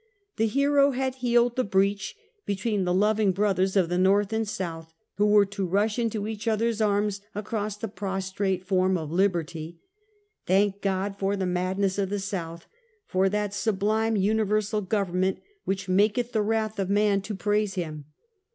The hero had healed the breach between the loving brothers of the ISTorth and South, who were to rush into each others arms across the prostrate form of Liberty. Thank God for the madness of the South; for that sub lime universal government which maketh "the wrath of man to praise him."